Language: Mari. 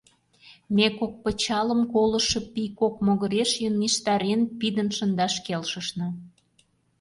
Ме кок пычалым колышо пий кок могыреш йӧнештарен пидын шындаш келшышна.